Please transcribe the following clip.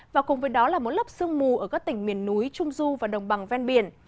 và cùng với đó là một lớp sương mù ở các tỉnh miền núi trung du và đồng bằng ven biển